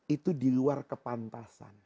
itu di luar kepantasan